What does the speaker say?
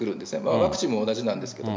ワクチンも同じなんですけれども。